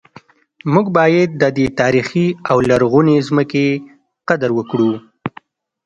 موږ باید د دې تاریخي او لرغونې ځمکې قدر وکړو